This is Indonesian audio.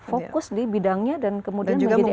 fokus di bidangnya dan kemudian menjadi